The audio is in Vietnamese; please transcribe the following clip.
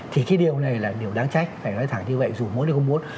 thì cái điều này là điều đáng trách phải nói thẳng như vậy dù mỗi điều không muốn